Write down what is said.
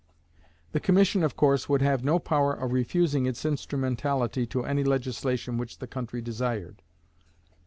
The commission, of course, would have no power of refusing its instrumentality to any legislation which the country desired.